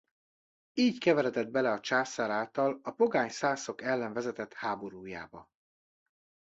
Így keveredett bele a császár által a pogány szászok ellen vezetett háborújába.